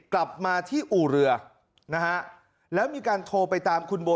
กลับมาที่อู่เรือนะฮะแล้วมีการโทรไปตามคุณโบ